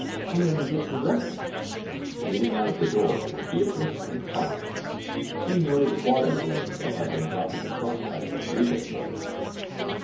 Come in and get some breakfast.'' Leaning out of the door were Beatrice and Carmen, two noted Juarez women that had been 186 INSURGENT MEXICO brought to the front by the Rodriguez brothers.